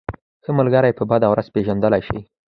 ښه ملگری په بده ورځ پېژندلی شې.